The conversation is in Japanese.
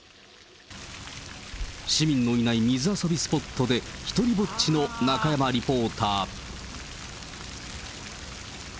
市民のいない水遊びスポットで、一人ぼっちの中山リポーター。